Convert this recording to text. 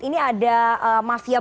ini ada mafia bts